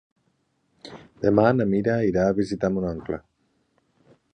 Demà na Mira irà a visitar mon oncle.